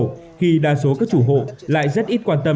nhưng khi đa số các chủ hộ lại rất ít quan tâm